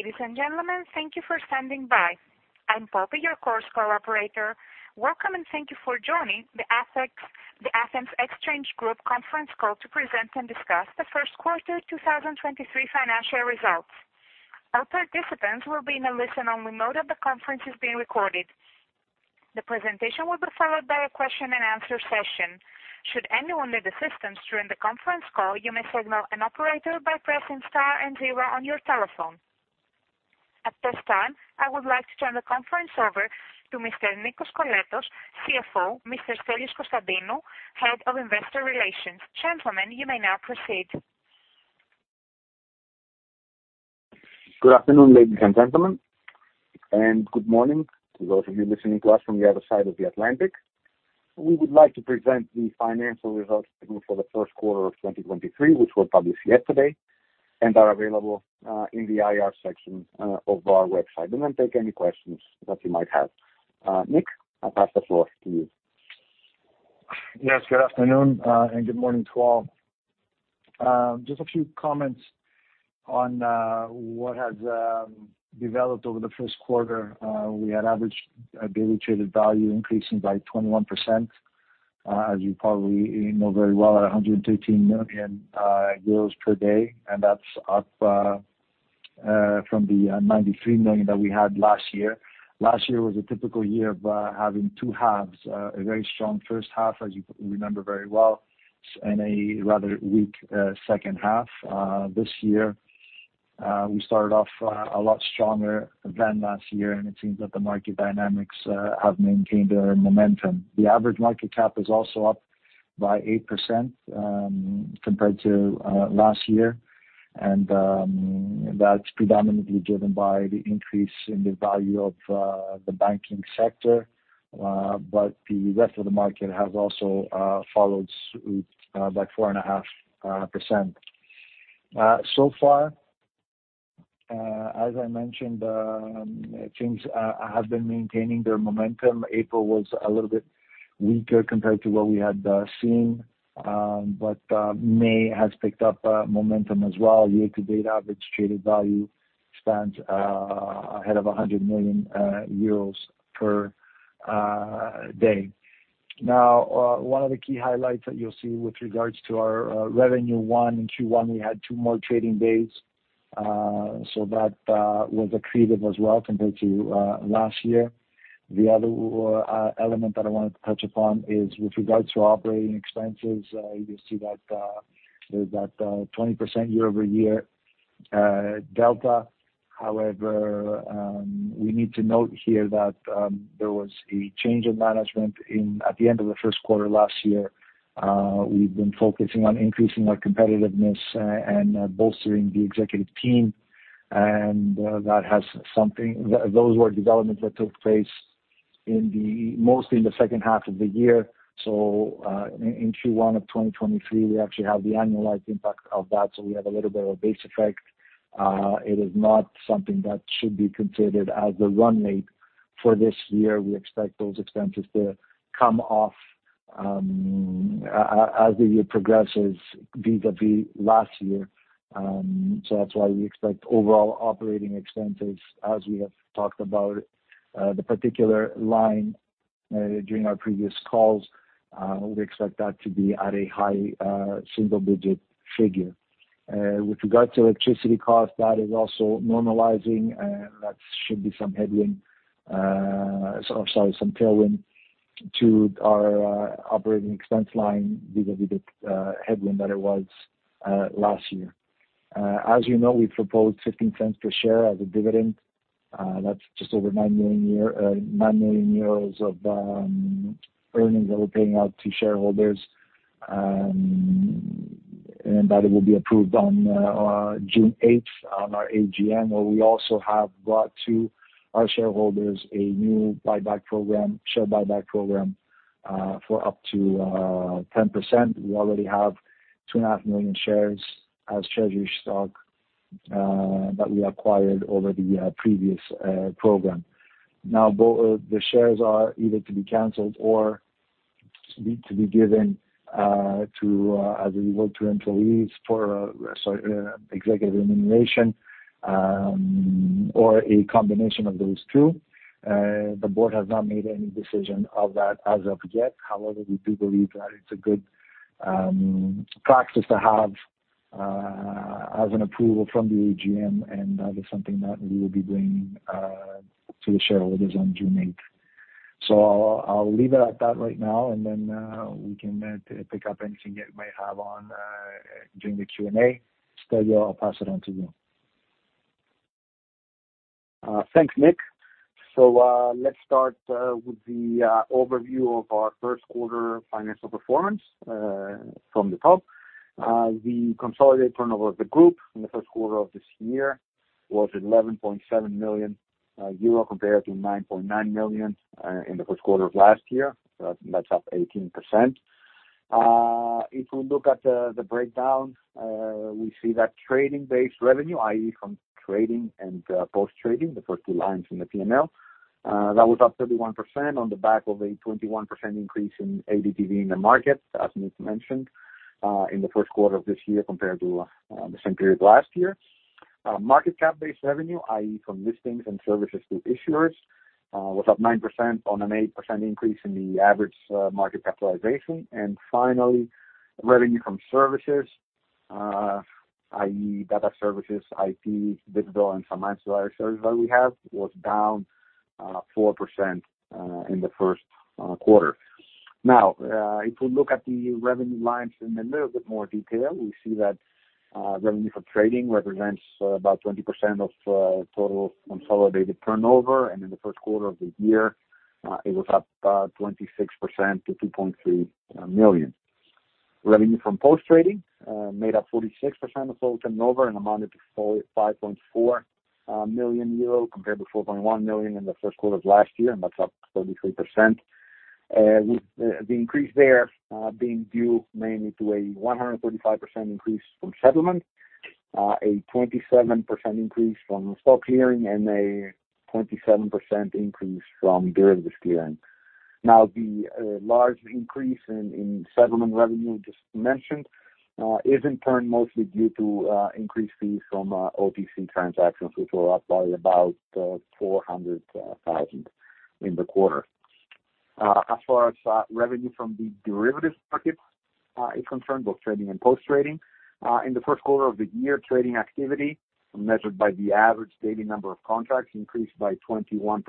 Ladies and gentlemen, thank you for standing by. I'm Poppy, your conference call operator. Welcome, and thank you for joining the ATHEX, the Athens Exchange Group Conference Call to present and discuss the first quarter 2023 Financial Results. All participants will be in a listen-only mode, and the conference is being recorded. The presentation will be followed by a question-and-answer session. Should anyone need assistance during the conference call, you may signal an operator by pressing star and zero on your telephone. At this time, I would like to turn the conference over to Mr. Nick Koskoletos, CFO, Mr. Stelios Konstantinou, Head of Investor Relations. Gentlemen, you may now proceed. Good afternoon, ladies and gentlemen, and good morning to those of you listening to us from the other side of the Atlantic. We would like to present the financial results for the first quarter of 2023, which were published yesterday and are available in the IR section of our website, and then take any questions that you might have. Nick, I pass the floor to you. Yes, good afternoon and good morning to all. Just a few comments on what has developed over the first quarter. We had average daily traded value increasing by 21%, as you probably know very well, at 113 million euros per day, and that's up from the 93 million that we had last year. Last year was a typical year of having two halves, a very strong first half, as you remember very well, and a rather weak second half. This year, we started off a lot stronger than last year, and it seems that the market dynamics have maintained their momentum. The average market cap is also up by 8% compared to last year, and that's predominantly driven by the increase in the value of the banking sector, but the rest of the market has also followed suit by 4.5%. So far, as I mentioned, things have been maintaining their momentum. April was a little bit weaker compared to what we had seen, but May has picked up momentum as well. Year-to-date, average traded value stands ahead of 100 million euros per day. One of the key highlights that you'll see with regards to our revenue, one, in Q1, we had two more trading days, so that was accretive as well compared to last year. The other element that I wanted to touch upon is with regards to operating expenses, you see that 20% year-over-year delta. However, we need to note here that there was a change in management at the end of the first quarter last year. We've been focusing on increasing our competitiveness, and bolstering the executive team, and those were developments that took place in the, mostly in the second half of the year.In Q1 of 2023, we actually have the annualized impact of that, so we have a little bit of a base effect. It is not something that should be considered as the run rate for this year. We expect those expenses to come off as the year progresses vis-a-vis last year. That's why we expect overall operating expenses, as we have talked about the particular line during our previous calls, we expect that to be at a high single-digit figure. With regards to electricity costs, that is also normalizing, and that should be some headwind, or, sorry, some tailwind to our operating expense line, vis-a-vis the headwind that it was last year. As you know, we proposed 0.15 per share as a dividend, that's just over 9 million euros a year, 9 million euros of earnings that we're paying out to shareholders, that it will be approved on June 8th, on our AGM. We also have brought to our shareholders a new buyback program, share buyback program, for up to 10%. We already have 2.5 million shares as treasury stock that we acquired over the previous program. The shares are either to be canceled or to be given to as a reward to employees for sorry, executive remuneration, or a combination of those two. The board has not made any decision of that as of yet. We do believe that it's a good practice to have as an approval from the AGM, and that is something that we will be bringing to the shareholders on June 8th. I'll leave it at that right now, and then we can pick up anything you might have on during the Q&A. Stelios, I'll pass it on to you. Thanks, Nick. Let's start with the overview of our first quarter financial performance from the top. The consolidated turnover of the group in the first quarter of this year was 11.7 million euro, compared to 9.9 million in the first quarter of last year. That's up 18%. If we look at the breakdown, we see that trading-based revenue, i.e., from trading and post-trading, the first two lines in the P&L, that was up 31% on the back of a 21% increase in ADTV in the market, as Nick mentioned, in the first quarter of this year compared to the same period last year. Market cap-based revenue, i.e., from listings and services to issuers, was up 9% on an 8% increase in the average market capitalization. Finally, revenue from services, i.e., data services, IT, digital, and some ancillary services that we have, was down 4% in the first quarter. If we look at the revenue lines in a little bit more detail, we see that revenue from trading represents about 20% of total consolidated turnover, in the first quarter of the year, it was up 26% to 2.3 million. Revenue from post-trading made up 46% of total turnover and amounted to 5.4 million euro, compared to 4.1 million in the 1st quarter of last year. That's up 33%. With the increase there being due mainly to a 145% increase from settlement, a 27% increase from stock clearing, and a 27% increase from derivatives clearing. Now, the large increase in settlement revenue just mentioned is in turn mostly due to increased fees from OTC transactions, which were up by about 400,000 in the quarter. As far as revenue from the derivatives market is concerned, both trading and post-trading. In the first quarter of the year, trading activity, measured by the average daily number of contracts, increased by 21%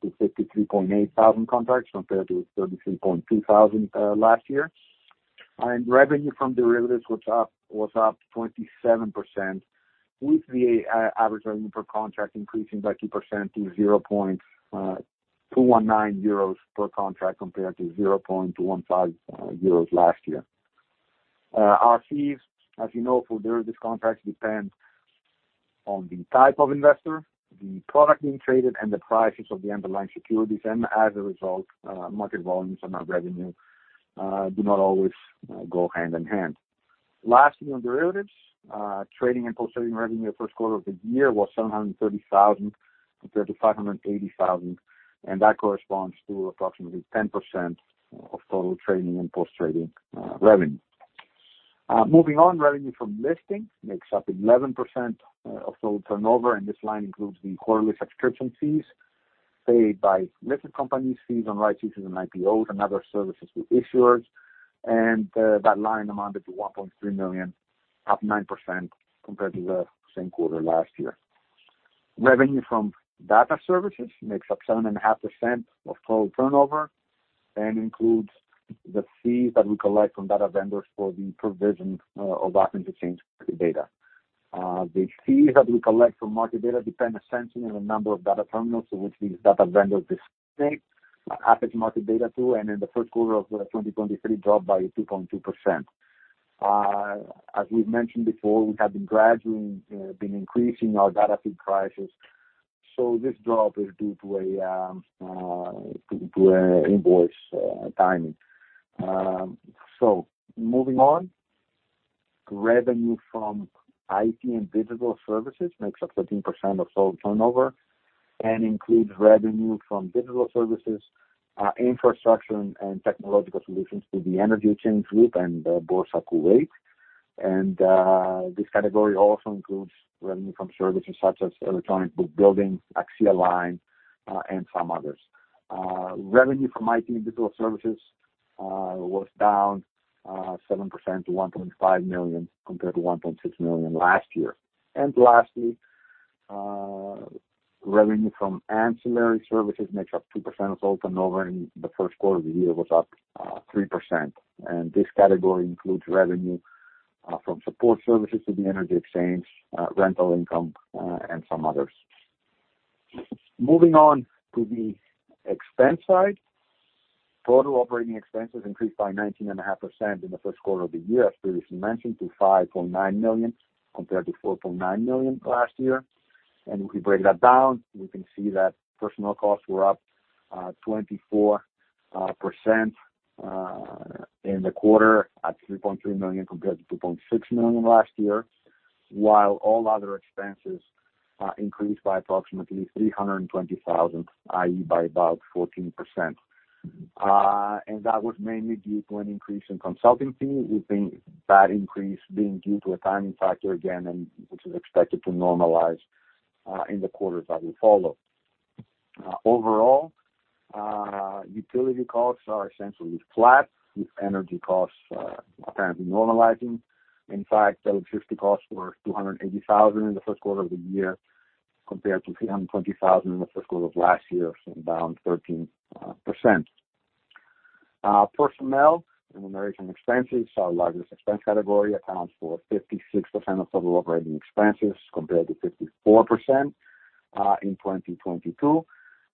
to 53,800 contracts, compared to 33,200 last year. Revenue from derivatives was up 27%, with the average revenue per contract increasing by 2% to 0.219 euros per contract, compared to 0.215 euros last year. Our fees, as you know, for derivatives contracts, depend on the type of investor, the product being traded, and the prices of the underlying securities. As a result, market volumes and our revenue do not always go hand in hand. Lastly, on derivatives, trading and post-trading revenue in the first quarter of the year was 730,000, compared to 580,000. That corresponds to approximately 10% of total trading and post-trading revenue. Moving on, revenue from listings makes up 11% of total turnover. This line includes the quarterly subscription fees paid by listed companies, fees on right issues and IPOs and other services with issuers. That line amounted to 1.3 million, up 9% compared to the same quarter last year. Revenue from data services makes up 7.5% of total turnover and includes the fees that we collect from data vendors for the provision of our interchange data. The fees that we collect from market data depend essentially on the number of data terminals to which these data vendors distribute average market data to, and in the first quarter of 2023, dropped by 2.2%. As we've mentioned before, we have been gradually increasing our data feed prices, so this drop is due to an invoice timing. Moving on. Revenue from IT and digital services makes up 13% of total turnover and includes revenue from digital services, infrastructure and technological solutions to the Energy Exchange Group and Boursa Kuwait.This category also includes revenue from services such as electronic book building, AXIAline, and some others. Revenue from IT and digital services was down 7% to 1.5 million, compared to 1.6 million last year. Lastly, revenue from ancillary services makes up 2% of total turnover, and in the first quarter of the year was up 3%. This category includes revenue from support services to the Energy Exchange, rental income, and some others. Moving on to the expense side. Total operating expenses increased by 19.5% in the first quarter of the year, as previously mentioned, to 5.9 million, compared to 4.9 million last year. If we break that down, we can see that personnel costs were up 24% in the quarter at 3.3 million, compared to 2.6 million last year, while all other expenses increased by approximately 320,000, i.e., by about 14%. That was mainly due to an increase in consulting fees. We think that increase being due to a timing factor again, and which is expected to normalize in the quarters that will follow. Overall, utility costs are essentially flat, with energy costs starting to normalizing. In fact, electricity costs were 280,000 in the first quarter of the year, compared to 320,000 in the first quarter of last year, so down 13%.Personnel and remuneration expenses, our largest expense category, accounts for 56% of total operating expenses, compared to 54% in 2022.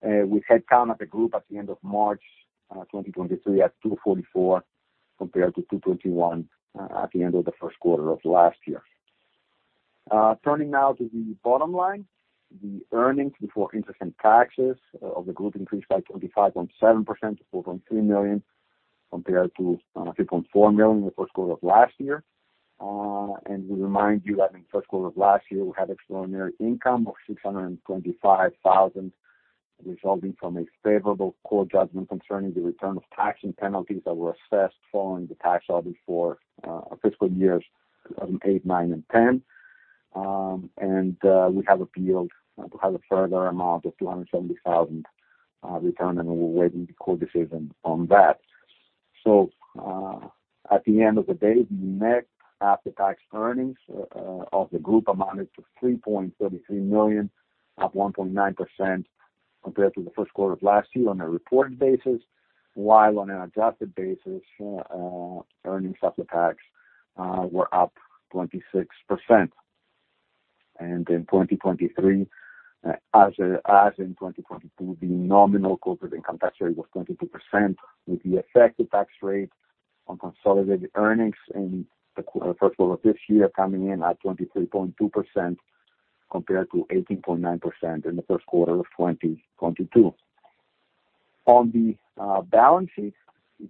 With headcount at the group at the end of March 2023, at 244, compared to 221 at the end of the first quarter of last year. Turning now to the bottom line. The earnings before interest and taxes of the group increased by 25.7% to 4.3 million, compared to 3.4 million in the first quarter of last year. We remind you that in the first quarter of last year, we had extraordinary income of EUR 625,000.Resulting from a favorable court judgment concerning the return of tax and penalties that were assessed following the tax audit for fiscal years 2007, 2008, 2009 and 2010. And we have appealed to have a further amount of 270,000 returned, and we're waiting the court decision on that. At the end of the day, the net after-tax earnings of the group amounted to 3.33 million, up 1.9% compared to the first quarter of last year on a reported basis, while on an adjusted basis, earnings after tax, were up 26%.In 2023, as in 2022, the nominal corporate income tax rate was 22%, with the effective tax rate on consolidated earnings in the first quarter of this year coming in at 23.2%, compared to 18.9% in the first quarter of 2022. On the balance sheet,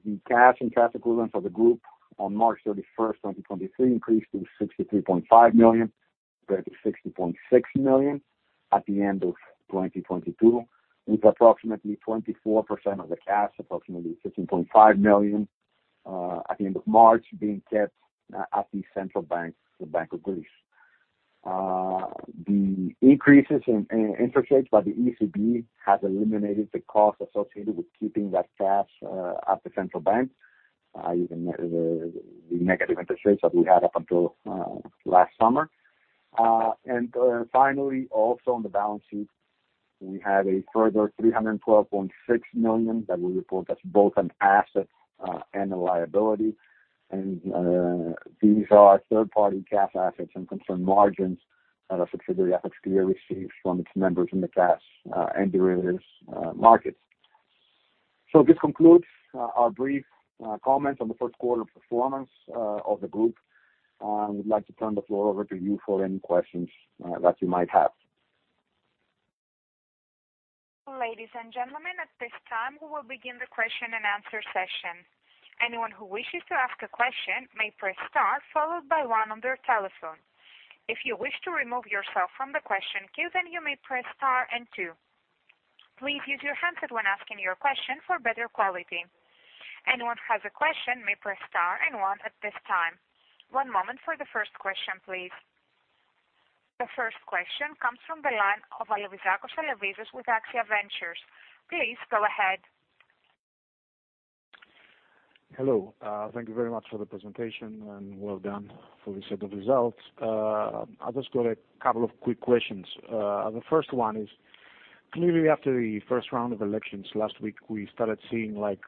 the cash and cash equivalents of the group on March 31st, 2023, increased to 63.5 million, compared to 60.6 million at the end of 2022, with approximately 24% of the cash, approximately 15.5 million, at the end of March, being kept at the Central Bank, the Bank of Greece. The increases in interest rates by the ECB has eliminated the cost associated with keeping that cash at the central bank, even the negative interest rates that we had up until last summer. Finally, also on the balance sheet, we have a further 312.6 million that we report as both an asset and a liability. These are third-party cash assets and concern margins that our subsidiary, ATHEXClear, receives from its members in the cash and derivatives markets. This concludes our brief comments on the first quarter performance of the group. We'd like to turn the floor over to you for any questions that you might have. Ladies and gentlemen, at this time, we will begin the question and answer session. Anyone who wishes to ask a question may press Star, followed by one on their telephone. If you wish to remove yourself from the question queue, you may press Star and two. Please use your handset when asking your question for better quality. Anyone who has a question may press Star and one at this time. One moment for the first question, please. The first question comes from the line of Al Alevizakos with AXIA Ventures. Please go ahead. Hello, thank you very much for the presentation, and well done for the set of results. I've just got a couple of quick questions. The first one is, clearly after the first round of elections last week, we started seeing, like,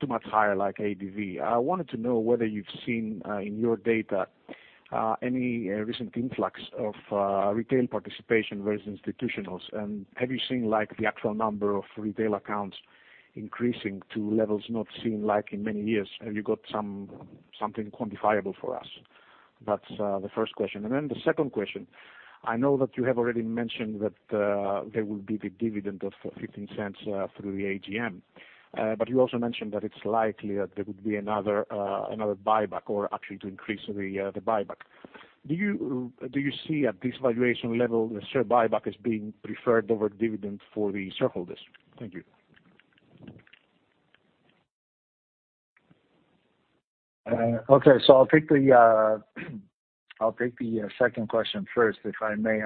too much higher, like, ADTV. I wanted to know whether you've seen, in your data, any recent influx of retail participation versus institutionals? Have you seen, like, the actual number of retail accounts increasing to levels not seen, like, in many years? Have you got something quantifiable for us? That's the first question. The second question: I know that you have already mentioned that there will be the dividend of 0.15 through the AGM, but you also mentioned that it's likely that there would be another buyback or actually to increase the buyback. Do you see at this valuation level, the share buyback as being preferred over dividend for the shareholders? Thank you. Okay. I'll take the second question first, if I may.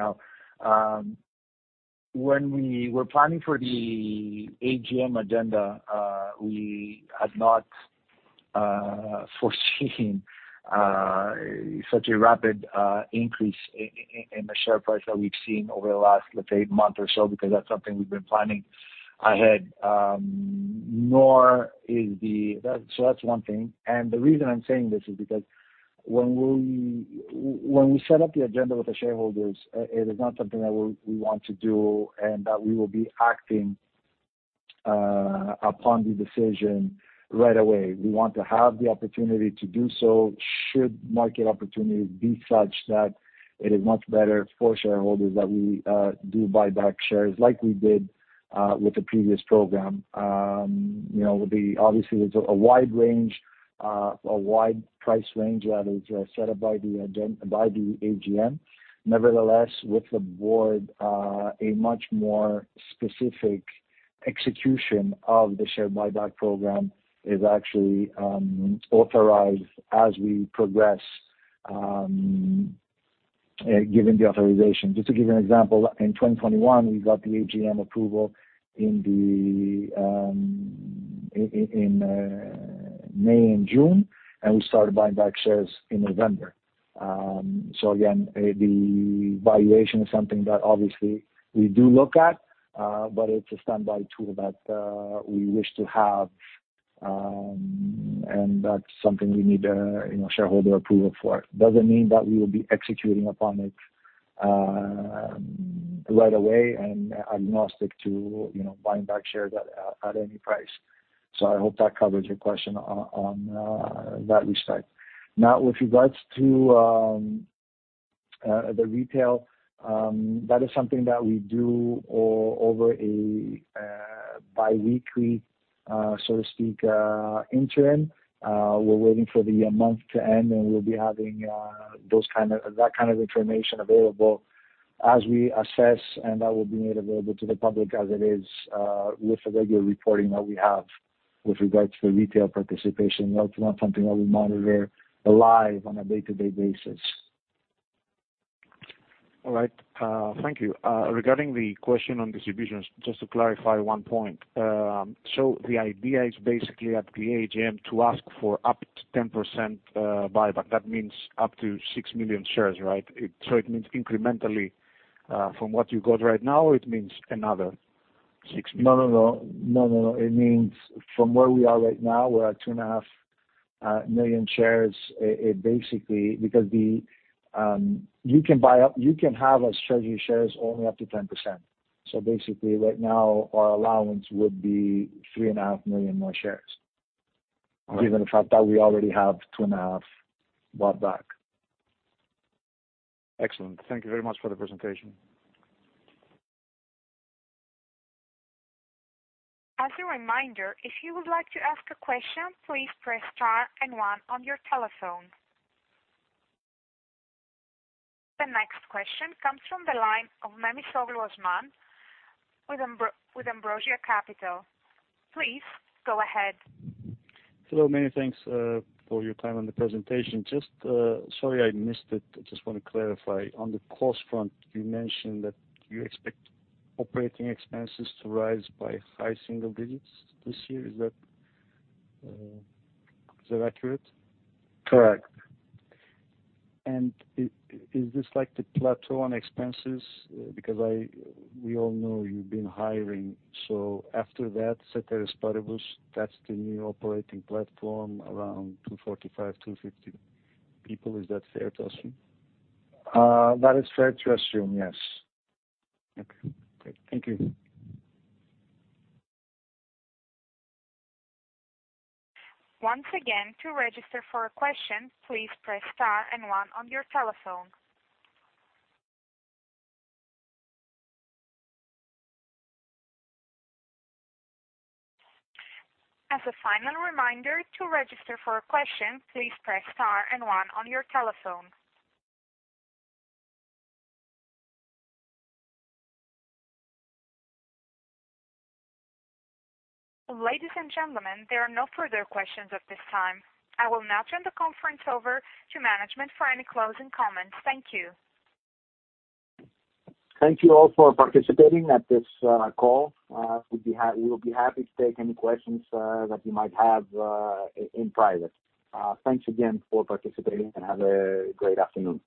When we were planning for the AGM agenda, we had not foreseen such a rapid increase in the share price that we've seen over the last, let's say, eight months or so, because that's something we've been planning ahead. That's one thing. The reason I'm saying this is because when we set up the agenda with the shareholders, it is not something that we want to do and that we will be acting upon the decision right away. We want to have the opportunity to do so, should market opportunities be such that it is much better for shareholders that we do buy back shares, like we did with the previous program. You know, obviously, there's a wide range, a wide price range that is set up by the AGM. Nevertheless, with the board, a much more specific execution of the share buyback program is actually authorized as we progress, given the authorization. Just to give you an example, in 2021, we got the AGM approval in May and June, and we started buying back shares in November. Again, the valuation is something that obviously we do look at, but it's a standby tool that we wish to have, and that's something we need, you know, shareholder approval for. It doesn't mean that we will be executing upon it, right away and agnostic to, you know, buying back shares at any price. I hope that covers your question on that respect. Now, with regards to the retail, that is something that we do over a bi-weekly, so to speak, interim. We're waiting for the month to end, and we'll be having that kind of information available as we assess, and that will be made available to the public as it is with the regular reporting that we have with regards to the retail participation. That's not something that we monitor live on a day-to-day basis. All right, thank you. Regarding the question on distributions, just to clarify one point. The idea is basically at the AGM to ask for up to 10% buyback. That means up to 6 million shares, right? It means incrementally from what you got right now, it means another 6 million. No, no. No, no. It means from where we are right now, we're at 2.5 million shares. It basically. Because the, you can have as treasury shares only up to 10%. Basically, right now, our allowance would be 3.5 million more shares. All right. Given the fact that we already have two and a half bought back. Excellent. Thank you very much for the presentation. As a reminder, if you would like to ask a question, please press star and one on your telephone. The next question comes from the line of Memisoglu Osman with Ambrosia Capital. Please go ahead. Hello, many thanks, for your time and the presentation. Just, sorry, I missed it. I just want to clarify. On the cost front, you mentioned that you expect operating expenses to rise by high single digits this year. Is that, is that accurate? Correct. is this like the plateau on expenses? Because we all know you've been hiring. After that, ceteris paribus, that's the new operating platform, around 245-250 people. Is that fair to assume? That is fair to assume, yes. Okay, great. Thank you. Once again, to register for a question, please press star and one on your telephone. As a final reminder, to register for a question, please press star and one on your telephone. Ladies and gentlemen, there are no further questions at this time. I will now turn the conference over to management for any closing comments. Thank you. Thank you all for participating at this call. We will be happy to take any questions that you might have in private. Thanks again for participating, and have a great afternoon.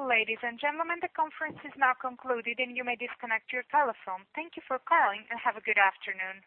Ladies and gentlemen, the conference is now concluded, and you may disconnect your telephone. Thank you for calling, and have a good afternoon.